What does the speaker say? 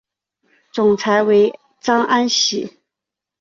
总裁为张安喜。